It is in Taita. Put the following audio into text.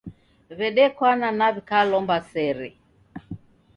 W'edekwana na w'ikalomba sere.